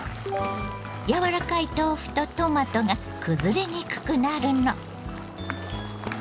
やわらかい豆腐とトマトがくずれにくくなるの。